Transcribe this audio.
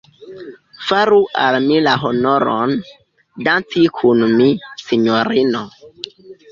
Faru al mi la honoron, danci kun mi, sinjorino.